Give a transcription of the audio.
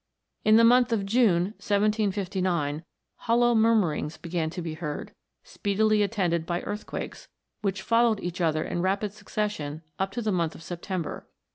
In the month of June, 1759, hollow murmurings began to be heard, speedily attended by earthquakes, which followed each other in rapid succession up to the month of September.